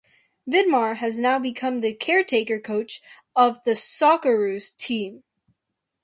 Vidmar has now become the caretaker coach of the Socceroos team.